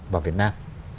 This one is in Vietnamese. vào việt nam